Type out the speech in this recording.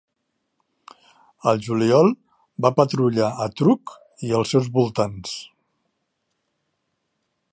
Al juliol, va patrullar a Truk i els seus voltants.